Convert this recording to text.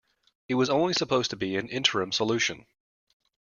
It was only supposed to be an interim solution.